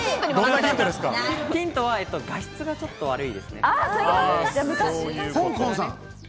ヒントは画質がちょっと悪いですね。